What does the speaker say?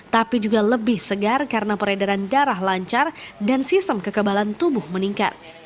tapi juga lebih segar karena peredaran darah lancar dan sistem kekebalan tubuh meningkat